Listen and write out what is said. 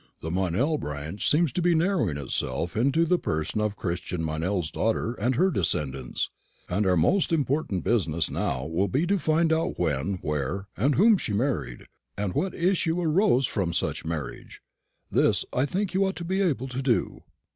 The Meynell branch seems to be narrowing itself into the person of Christian Meynell's daughter and her descendants, and our most important business now will be to find out when, where, and whom she married, and what issue arose from such marriage. This I think you ought to be able to do."